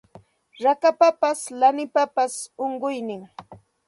Rakapapas lanipapas unquynin